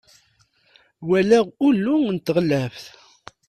walaɣ unuɣ n tɣellaft